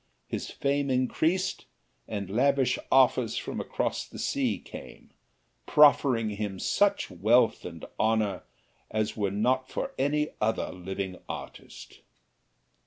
His fame increased, and lavish offers from across the sea came, proffering him such wealth and honor as were not for any other living artist.